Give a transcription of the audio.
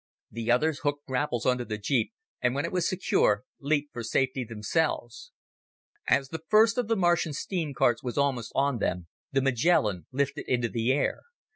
The others hooked grapples onto the jeep, and when it was secure, leaped for safety themselves. As the first of the Martian steam carts was almost on them, the Magellan lifted into the air.